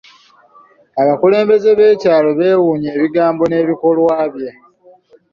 Abakulembeze b'ekyalo beeewuunya ebigambo n'ebikolwa bye.